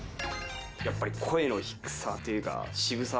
やっぱり声の低さというか渋さ。